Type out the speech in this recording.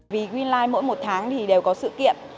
vì greenline mỗi một tháng thì đều có sự kiện